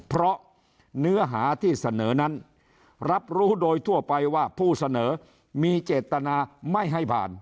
เพราะเนื้อหาที่เสนอนั้นรับรู้โดยทั่วไปว่าผู้เสนอมีเจตนาไม่ให้ผ่าน